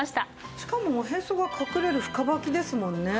しかもおへそが隠れる深ばきですもんね。